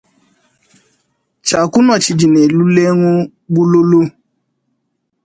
Tshia kunua tshidi ne lulengu bululu.